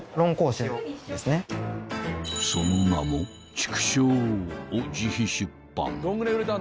［その名も『築抄』を自費出版］